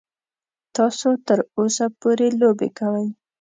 تاسو تر اوسه پورې لوبې کوئ.